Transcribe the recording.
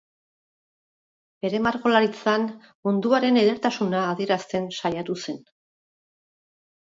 Bere margolaritzan munduaren edertasuna adierazten saiatu zen.